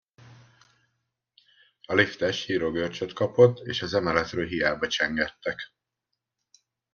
A liftes sírógörcsöt kapott, és az emeletről hiába csengettek.